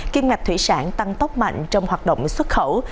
kim ngạch thủy sản tăng tốc mạnh trong hoạt động xuất khẩu